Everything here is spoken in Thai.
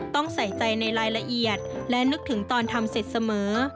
ใส่ใจในรายละเอียดและนึกถึงตอนทำเสร็จเสมอ